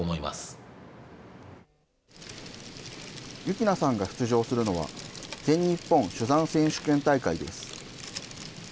喜なさんが出場するのは全日本珠算選手権大会です。